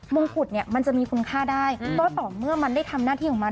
มุมขุดมันจะมีคุณค่าได้ต่อเมื่อมันได้ทำหน้าที่ของมัน